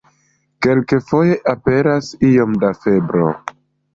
Kelkfoje aperas iom da febro.